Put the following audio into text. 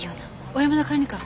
小山田管理官。